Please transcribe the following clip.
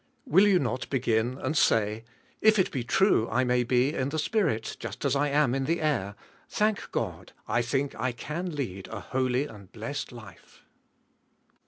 Will you not begin and say, if it be true I may be in the Spirit just as I am in the air, thank God, I think I can lead a holy and blessed life.